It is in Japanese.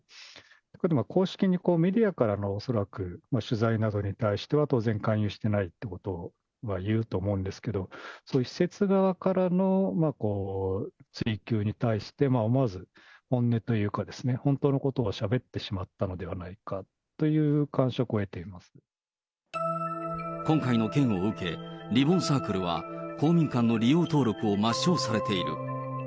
やっぱり公式にメディアから恐らく取材などに対しては、当然、勧誘してないってことを言うと思うんですけど、そういう施設側からの追及に対して、思わず本音というか、本当のことをしゃべってしまったのではないかという感触を得てい今回の件を受け、リボンサークルは、公民館の利用登録を抹消されている。